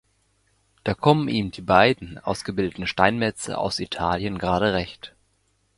Da kommen ihm die beiden ausgebildeten Steinmetze aus Italien gerade recht.